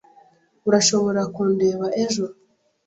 Urashobora kundeba ejo.